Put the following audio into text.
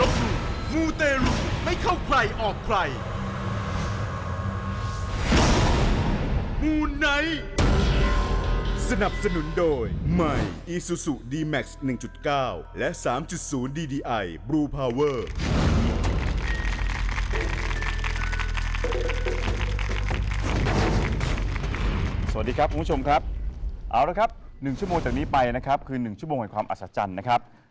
สวัสดีครับคุณผู้ชมครับเอาละครับ๑ชั่วโมงจากนี้ไปนะครับคือ๑ชั่วโมงแห่งความอัศจรรย์นะครับ